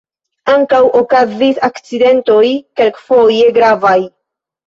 Ankaŭ okazis akcidentoj, kelkfoje gravaj.